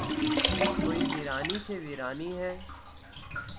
کوئی ویرانی سی ویرانی ہے